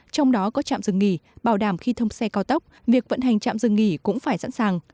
trong đó có trạm dừng nghỉ bảo đảm khi thông xe cao tốc việc vận hành trạm dừng nghỉ cũng phải sẵn sàng